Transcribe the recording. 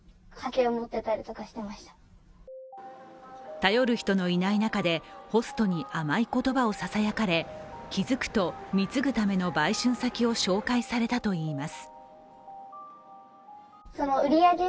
頼る人のいない中で、ホストに甘い言葉をささやかれ、気付くと貢ぐための売春先を紹介されたといいます。